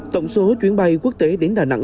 tổng số chuyến bay quốc tế đến đà nẵng